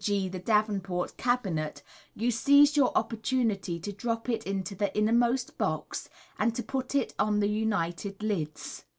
g., the Davenport Cabinet, you seize your opportunity to drop it into the innermost box, and to put on the united lids.